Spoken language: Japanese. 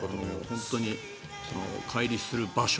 本当に解離する場所